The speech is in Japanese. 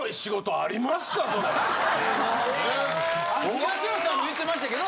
東野さんも言ってましたけど。